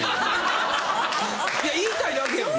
・いや言いたいだけやん！